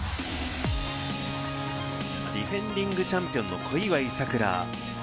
ディフェンディングチャンピオンの小祝さくら。